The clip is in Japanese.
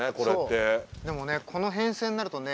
でもこの編成になるとね。